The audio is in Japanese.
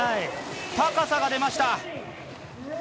高さが出ました。